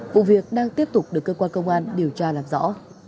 vụ việc đang tiếp tục được cơ quan công an điều tra làm rõ